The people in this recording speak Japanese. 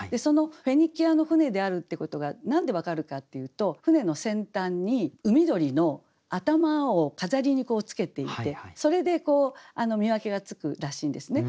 フェニキアの舟であるってことが何で分かるかっていうと舟の先端に海鳥の頭を飾りにつけていてそれで見分けがつくらしいんですね。